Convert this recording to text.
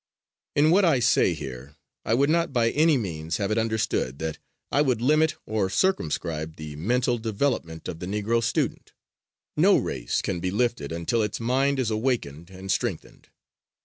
In what I say here I would not by any means have it understood that I would limit or circumscribe the mental development of the Negro student. No race can be lifted until its mind is awakened and strengthened.